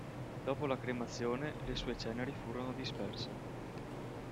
Dopo la cremazione, le sue ceneri furono disperse.